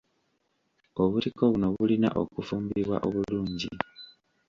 Obutiko buno bulina okufumbibwa obulungi.